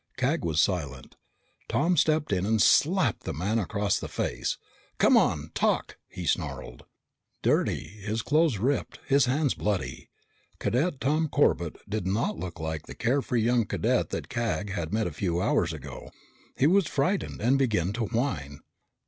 Cag was silent. Tom stepped in and slapped the man across the face. "Come on! Talk!" he snarled. Dirty, his clothes ripped, his hands bloody, Cadet Tom Corbett did not look like the carefree young cadet that Cag had met a few hours ago. He was frightened and began to whine.